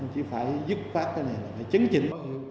chỉ phải dứt phát cái này là phải chứng chỉnh